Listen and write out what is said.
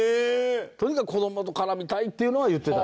とにかく子どもと絡みたいっていうのは言ってた。